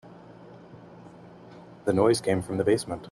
The noise came from the basement.